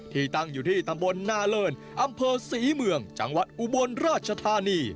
ตั้งอยู่ที่ตำบลนาเลินอำเภอศรีเมืองจังหวัดอุบลราชธานี